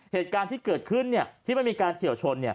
เหตุการณ์ที่เกิดขึ้นที่มันมีการเฉียวชน